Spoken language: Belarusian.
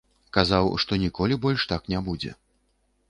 Казаў, што ніколі больш так не будзе.